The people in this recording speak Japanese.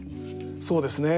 そうですね。